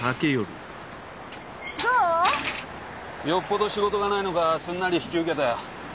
よっぽど仕事がないのかすんなり引き受けたよ。